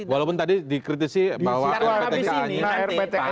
walaupun tadi dikritisi bahwa rptka ini